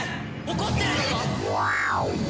怒ってるのか！？